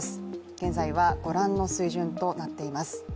現在はご覧の水準となっています。